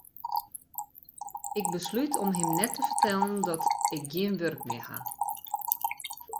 Ik beslút om him net te fertellen dat ik gjin wurk mear ha.